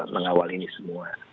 mengawal ini semua